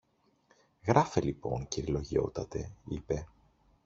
Γράφε λοιπόν, κυρ-λογιότατε, είπε.